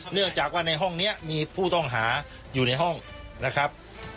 เนื่องจากว่าในห้องนี้มีผู้ต้องหาอยู่ในห้องนะครับ